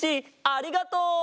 ありがとう！